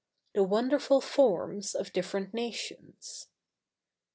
THE WONDERFUL FORMS OF DIFFERENT NATIONS.